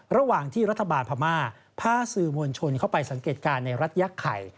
ระหว่างที่รัฐบาลพม่าพาสื่อมวลชนเข้าไปสังเกตการณ์ในรัฐยักษ์ไข่